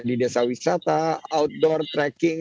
di desa wisata outdoor tracking